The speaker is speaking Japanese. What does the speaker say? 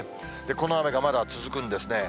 この雨がまだ続くんですね。